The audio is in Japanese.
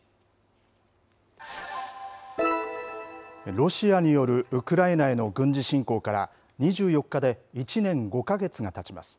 ロシアによるウクライナへの軍事侵攻から、２４日で１年５か月がたちます。